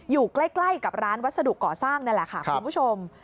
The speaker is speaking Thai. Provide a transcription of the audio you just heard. อยู่ใกล้กับร้านวัสดุก่อสร้างนั่นแหละค่ะคุณผู้ชม